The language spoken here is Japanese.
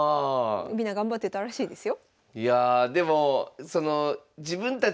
みんな頑張ってたらしいですよ。